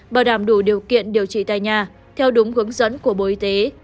bảo đảm đủ điều kiện điều trị tại nhà theo đúng hướng dẫn của bộ y tế